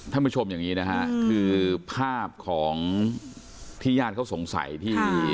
ทำผิดชมยังงี้นะฮะคือภาพของที่ญาติเค้าสงสัยที่